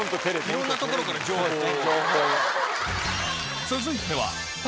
いろんなところから情報を。